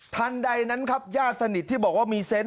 ทันใดนั้นครับญาติสนิทที่บอกว่ามีเซนต